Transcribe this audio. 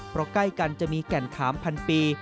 เพราะใกล้กันจะมีแก่นขามพันปี